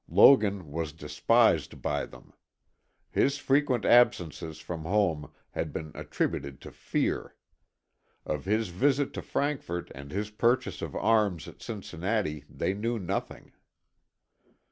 Logan was despised by them. His frequent absences from home had been attributed to fear. Of his visit to Frankfort and his purchase of arms at Cincinnati they knew nothing.